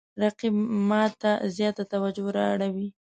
رقیب ما ته زیاته توجه را اړوي